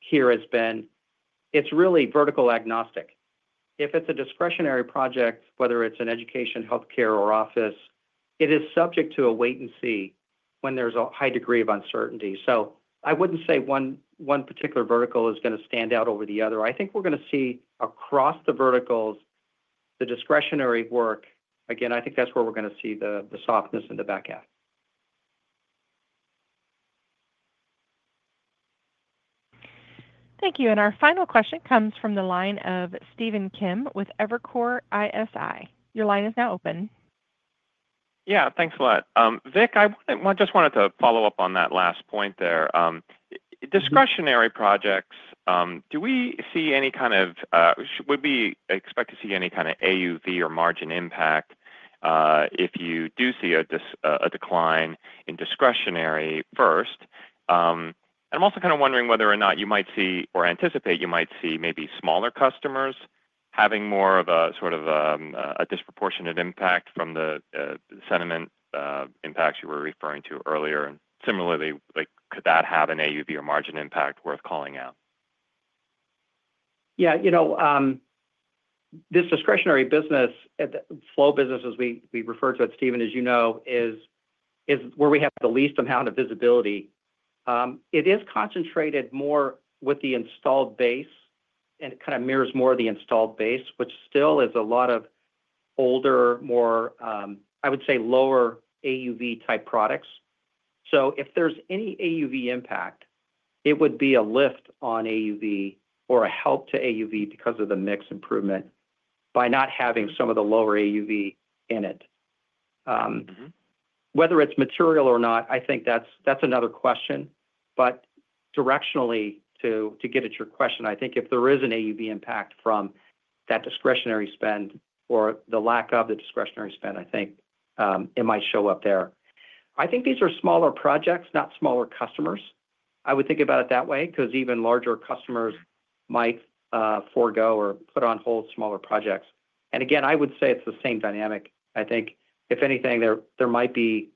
here has been it's really vertical agnostic. If it's a discretionary project, whether it's in education, healthcare, or office, it is subject to a wait and see when there's a high degree of uncertainty. I wouldn't say one particular vertical is going to stand out over the other. I think we're going to see across the verticals, the discretionary work, again, I think that's where we're going to see the softness in the back half. Thank you. Our final question comes from the line of Stephen Kim with Evercore ISI. Your line is now open. Yeah. Thanks a lot. Vic, I just wanted to follow up on that last point there. Discretionary projects, do we see any kind of would we expect to see any kind of AUV or margin impact if you do see a decline in discretionary first? I am also kind of wondering whether or not you might see or anticipate you might see maybe smaller customers having more of a sort of a disproportionate impact from the sentiment impacts you were referring to earlier. Similarly, could that have an AUV or margin impact worth calling out? Yeah. This discretionary business, flow business, as we refer to it, Stephen, as you know, is where we have the least amount of visibility. It is concentrated more with the installed base and kind of mirrors more of the installed base, which still is a lot of older, more, I would say, lower AUV-type products. If there's any AUV impact, it would be a lift on AUV or a help to AUV because of the mix improvement by not having some of the lower AUV in it. Whether it's material or not, I think that's another question. Directionally, to get at your question, I think if there is an AUV impact from that discretionary spend or the lack of the discretionary spend, I think it might show up there. I think these are smaller projects, not smaller customers. I would think about it that way because even larger customers might forego or put on hold smaller projects. I would say it's the same dynamic. I think, if anything, there might be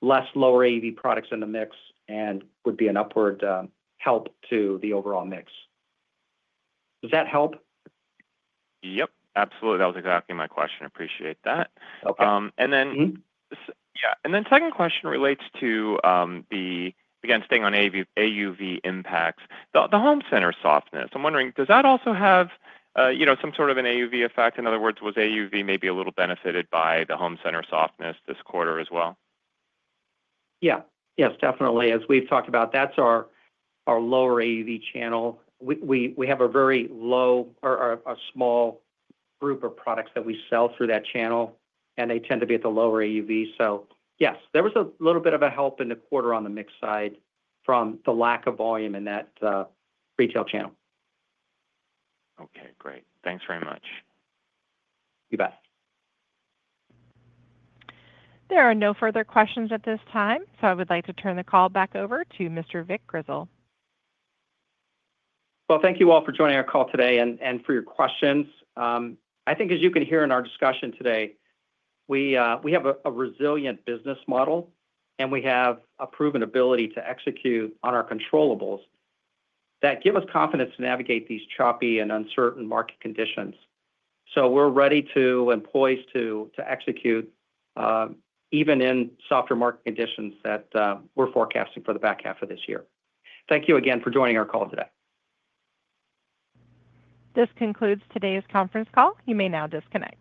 less lower AUV products in the mix and would be an upward help to the overall mix. Does that help? Yep. Absolutely. That was exactly my question. Appreciate that. Yeah. Second question relates to the, again, staying on AUV impacts, the home center softness. I'm wondering, does that also have some sort of an AUV effect? In other words, was AUV maybe a little benefited by the home center softness this quarter as well? Yeah. Yes, definitely. As we've talked about, that's our lower AUV channel. We have a very low or a small group of products that we sell through that channel, and they tend to be at the lower AUV. Yes, there was a little bit of a help in the quarter on the mix side from the lack of volume in that retail channel. Okay. Great. Thanks very much. You bet. There are no further questions at this time, so I would like to turn the call back over to Mr. Vic Grizzle. Thank you all for joining our call today and for your questions. I think as you can hear in our discussion today, we have a resilient business model, and we have a proven ability to execute on our controllables, that give us confidence to navigate these choppy and uncertain market conditions. We are ready to and poised to execute even in softer market conditions that we are forecasting for the back half of this year. Thank you again for joining our call today. This concludes today's conference call. You may now disconnect.